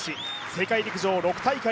世界陸上６大会